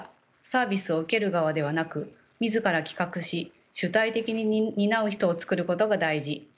サービスを受ける側ではなく自ら企画し主体的に担う人をつくることが大事」と話します。